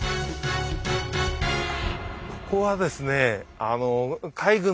ここはですね